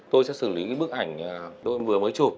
mình sẽ xử lý bức ảnh vừa mới chụp